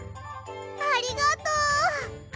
ありがとう。